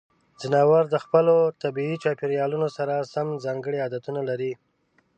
ځناور د خپلو طبیعي چاپیریالونو سره سم ځانګړې عادتونه لري.